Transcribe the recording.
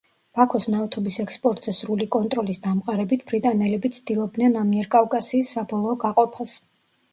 ბაქოს ნავთობის ექსპორტზე სრული კონტროლის დამყარებით, ბრიტანელები ცდილობდნენ ამიერკავკასიის საბოლოო გაყოფას.